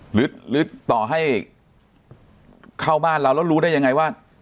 หรือต่อให้เข้าบ้านเราแล้วรู้ได้ยังไงว่า